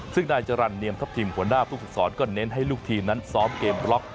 ซึ่งนายจรรย์เนียมทัพทิมหัวหน้าผู้ฝึกสอนก็เน้นให้ลูกทีมนั้นซ้อมเกมบล็อก